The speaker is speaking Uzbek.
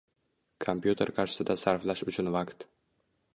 Kompyuter qarshisida sarflash uchun vaqt